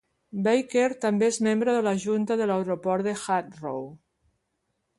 Baker també és membre de la junta de l"Aeroport de Heathrow.